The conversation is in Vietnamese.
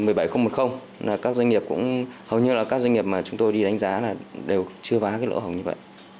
là các doanh nghiệp cũng hầu như là các doanh nghiệp mà chúng tôi đi đánh giá là đều chưa vá cái lỗ hổng như vậy